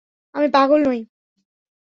আমি পাগল নই।